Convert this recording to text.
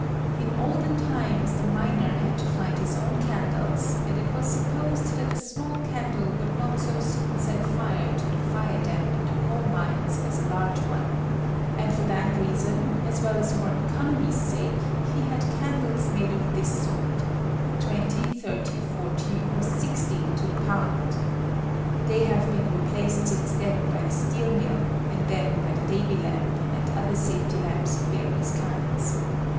In olden times the miner had to find his own candlea, and it was supposed tliat a small candle would not so soon set fire to the fire damp in the coal mines as a large one ; and for that reason, as well as for economy's sake, he had candles made of this sort— 20, 30, 40, or 60 to the pound. They have been replaced since then by the steel mill, and then by the Davy lamp, and other safety lamps of various kinds.